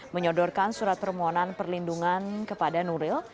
menyodorkan surat permohonan perlindungan kepada nuril